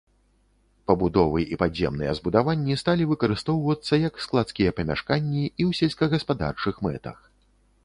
Пабудовы і падземныя збудаванні сталі выкарыстоўвацца як складскія памяшканні і ў сельскагаспадарчых мэтах.